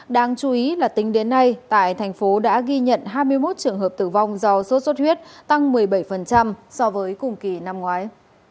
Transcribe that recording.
đáng chú ý là tính đến nay tại thành phố đã ghi nhận hai mươi một trường hợp tử vong do sốt xuất huyết tăng một mươi bảy so với cùng kỳ năm ngoái